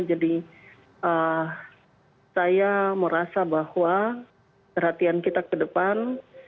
jadi saya merasa bahwa perhatian kita ke depan